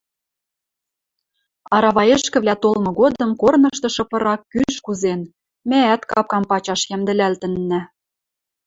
Араваэшкӹвлӓ толмы годым корныштышы пырак кӱш кузен, мӓӓт капкам пачаш йӓмдӹлӓлтӹннӓ.